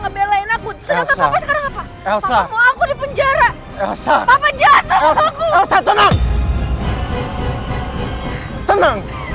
ngebelain aku sedangkan sekarang apa elsa mau aku dipenjara elsa papa jasa